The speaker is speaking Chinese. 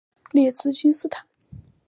列兹金斯坦。